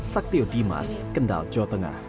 saktio dimas kendal jawa tengah